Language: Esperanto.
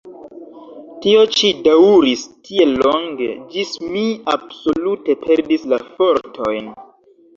Tio ĉi daŭris tiel longe, ĝis mi absolute perdis la fortojn.